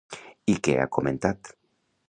I què ha comentat?